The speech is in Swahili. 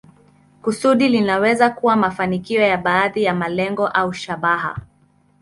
Kusudi linaweza kuwa mafanikio ya baadhi ya malengo au shabaha.